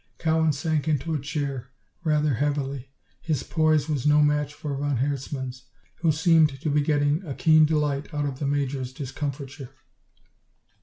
Cowan sank into a chair, rather heavily. His poise was no match for von Herzmann's, who seemed to be getting a keen delight out of the Major's discomfiture.